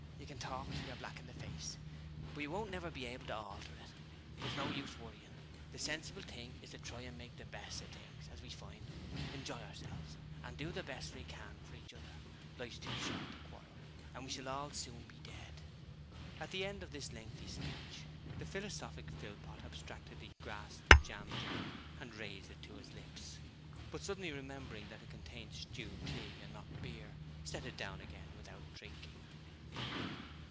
You can talk till you're black in the face, but you won't never be able to alter it. It's no use worrying. The sensible thing is to try and make the best of things as we find 'em: enjoy ourselves, and do the best we can for each other. Life's too short to quarrel and we'll hall soon be dead!' At the end of this lengthy speech, the philosophic Philpot abstractedly grasped a jam jar and raised it to his lips; but suddenly remembering that it contained stewed tea and not beer, set it down again without drinking.